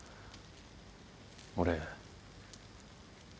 俺。